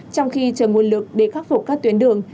trong khi chờ nguồn lực để khắc phục các tuyến đường